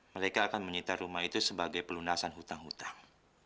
mereka akan menyita rumah itu sebagai pelunasan hutang hutang